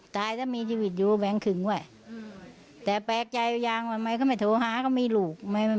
จากเหตุพบศพชายรายนี้ทำให้เพื่อนของในกล่องผู้สูญหายออกมายืนยันว่า